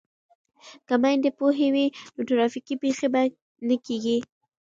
که میندې پوهې وي نو ترافیکي پیښې به نه کیږي.